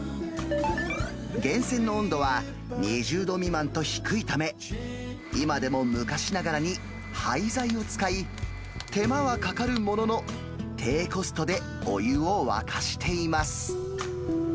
源泉の温度は、２０度未満と低いため、今でも昔ながらに廃材を使い、手間はかかるものの、低コストでお湯を沸かしています。